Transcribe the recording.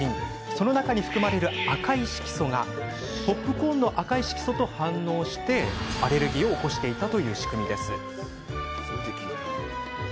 その中に含まれる赤い色素がポップコーンの赤い色素と反応しアレルギーを起こしていたのです。